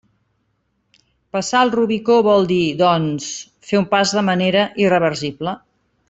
Passar el Rubicó vol dir, doncs, fer un pas de manera irreversible.